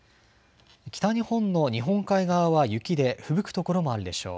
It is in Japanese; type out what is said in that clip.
北日本の日本海側は雪でふぶく所もあるでしょう。